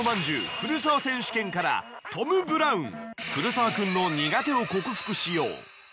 古澤選手権からトム・ブラウン古澤くんの苦手を克服しよう。